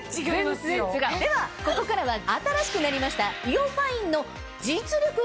ではここからは新しくなりました。